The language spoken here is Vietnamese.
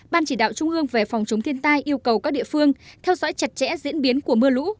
ban chỉ đạo trung ương về phòng chống thiên tai yêu cầu các địa phương theo dõi chặt chẽ diễn biến của mưa lũ